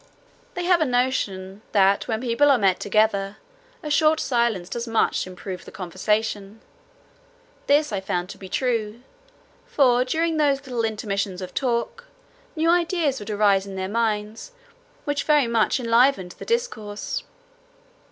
They have a notion, that when people are met together, a short silence does much improve conversation: this I found to be true; for during those little intermissions of talk, new ideas would arise in their minds, which very much enlivened the discourse.